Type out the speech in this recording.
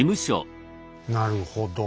なるほど。